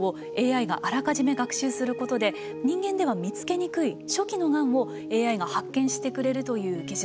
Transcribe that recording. ＡＩがあらかじめ学習することで人間では見つけにくい初期のがんをＡＩが発見してくれるという技術。